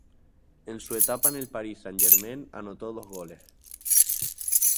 En su etapa en el Paris Saint Germain anotó dos goles.